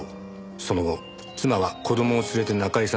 その後妻は子供を連れて中居さんと離婚。